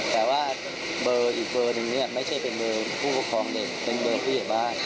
แต่ว่าเบอร์อีกเบอร์หนึ่งเนี่ยไม่ใช่เป็นเบอร์ผู้ปกครองเด็กเป็นเบอร์ผู้ใหญ่บ้าน